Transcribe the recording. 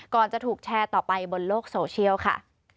จะถูกแชร์ต่อไปบนโลกโซเชียลค่ะ